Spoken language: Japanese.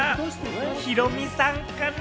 ヒロミさんかな？